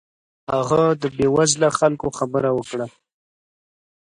هغه د بې وزلو خلکو خبره وکړه.